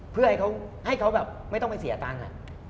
เพื่อให้เขาไม่ต้องไปเสียตังค์